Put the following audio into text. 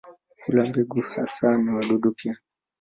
Hula mbegu hasa na wadudu pia.